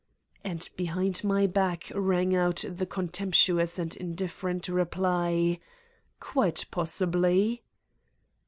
And behind my back rang out the contemptuous and indifferent reply :" Quite possibly."